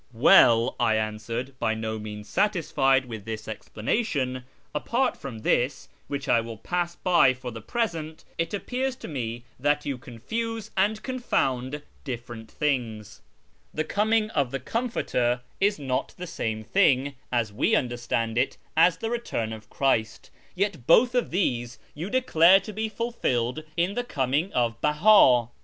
"Well," I answered, by no means satisfied with this ex )lanation, " apart from this, which I will pass by for the ) present, it appears to me that you confuse and confound .1 312 A YEAR AMONGST THE PERSIANS difterent tliinu;s. The coming of the Comforter is not the same thing, as we nnderstand it, as the return of Christ, yet both of these you decLare to be fulfilled in the coming of Behil.